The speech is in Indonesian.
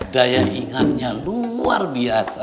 daya ingatnya luar biasa